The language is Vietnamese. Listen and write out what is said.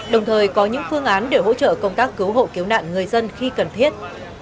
đồng thời có những phương án để hỗ trợ công tác cứu hộ cứu nạn người dân khi cần thiết